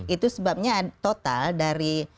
itu sebabnya total dari